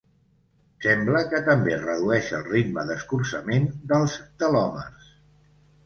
Sembla que també redueix el ritme d'escurçament dels telòmers.